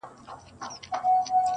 نو تر یوه ګام حسن ستایلو وروسته